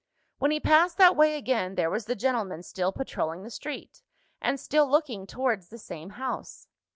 When he passed that way again, there was the gentleman still patrolling the street, and still looking towards the same house.